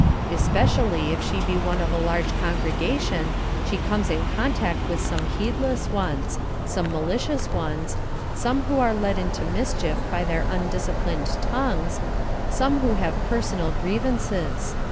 Especially if she be one of a large congregation she comes in contact with some heedless ones some malicious ones some who are led into mischief by their undisciplined tongues some who have personal grievances.